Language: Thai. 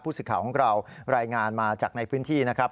สิทธิ์ข่าวของเรารายงานมาจากในพื้นที่นะครับ